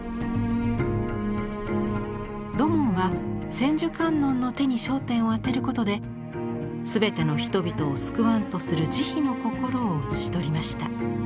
土門は千手観音の手に焦点を当てることで全ての人々を救わんとする慈悲の心を写し取りました。